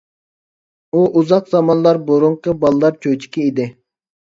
ئۇ ئۇزاق زامانلار بۇرۇنقى بالىلار چۆچىكى ئىدى.